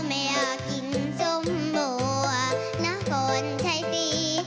ไม่อยากกินสมบัติน้ำก่อนใช้ฟรี